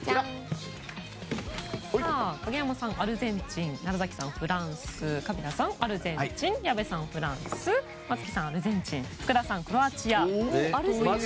影山さん、アルゼンチン楢崎さん、フランス川平さん、アルゼンチン矢部さん、フランス松木さん、アルゼンチン福田さん、クロアチア。